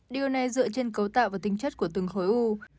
điều này dựa trên cấu tạo và tinh chất của từng khối u